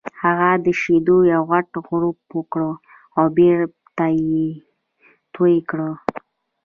هغه د شیدو یو غټ غوړپ وکړ او بېرته یې تو کړ